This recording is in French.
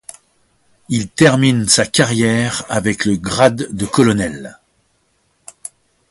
Il termine sa carrière avec le grade de colonel.